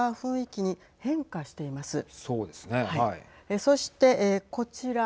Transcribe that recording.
そして、こちら。